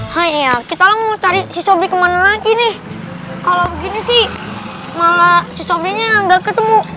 hai ya kita mau cari si sobri kemana lagi nih kalau begini sih malah sobrinya nggak ketemu